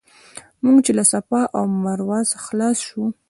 موږ چې له صفا او مروه خلاص شو.